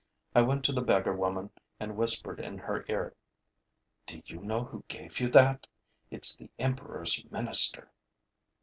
I went to the beggar woman and whispered in her ear: 'Do you know who gave you that? It's the emperor's minister.